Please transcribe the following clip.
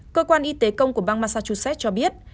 cơ quan y tế công bang massachusetts cho biết